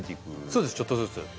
そうですちょっとずつ。